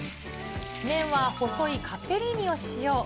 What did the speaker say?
麺は細いカッペリーニを使用。